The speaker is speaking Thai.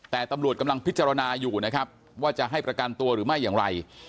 แต่ตำรวจกำลังพิจารณาอยู่นะครับว่าจะให้ประกันตัวหรือไม่อย่างไร